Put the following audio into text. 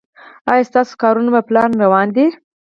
ایا ستاسو کارونه په پلان روان دي؟